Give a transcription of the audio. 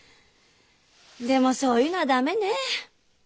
でもそういうのは駄目ね。